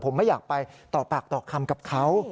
ผมไม่อยากไปต่อปากต่อคำกับเขา